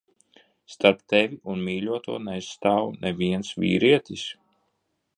Starp tevi un mīļoto nestāv neviens vīrietis?